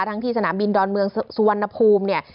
ที่สนามบินดอนเมืองสุวรรณภูมิเนี่ย